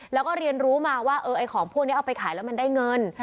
แล้วก็เรียนรู้มาว่าไอ้ของพวกนี้เอาไปขายแล้วมันได้เงิน